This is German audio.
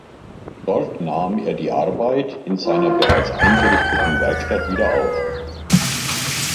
Dort nahm er die Arbeit in seiner bereits eingerichteten Werkstatt wieder auf.